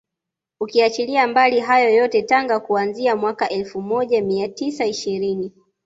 Ukiachilia mbali hayo yote Tanga kuanzia mwaka elfu moja mia tisa ishirini